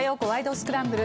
スクランブル」。